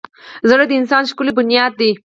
زړه د انسان ښکلی بنیاد دی.